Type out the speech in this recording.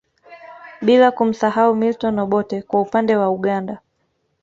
Bila kumsahau Milton Obote kwa upande wa Uganda